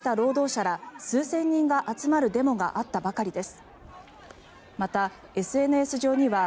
武漢では８日にも退職した労働者ら数千人が集まるデモがあったばかりです。